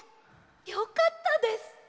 よかったです！